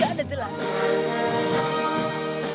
tidak ada jalan